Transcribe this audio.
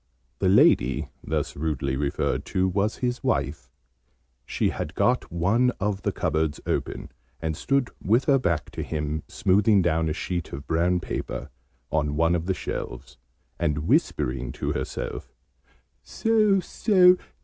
The lady, thus rudely referred to, was his wife. She had got one of the cupboards open, and stood with her back to him, smoothing down a sheet of brown paper on one of the shelves, and whispering to herself "So, so!